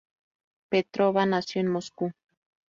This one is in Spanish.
Petrova nació en Moscú.